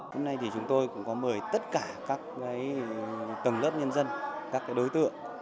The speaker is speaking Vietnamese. hôm nay thì chúng tôi cũng có mời tất cả các tầng lớp nhân dân các đối tượng